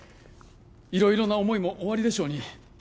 色々な思いもおありでしょうに